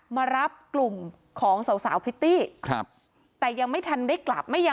มารับกลุ่มของสาวพริตตี้แต่ยังไม่ทันได้กลับ